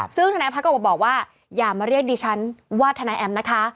ซึ่งธนายพัฒน์ก็บอกว่าอย่ามาเรียกดิฉันว่าทนายแอมนะคะ